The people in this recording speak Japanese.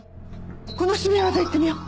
この絞め技いってみよう。